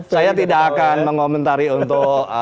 saya tidak akan mengomentari untuk